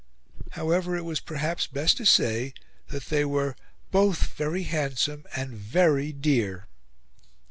However, it was perhaps best to say that they were "both very handsome and VERY DEAR."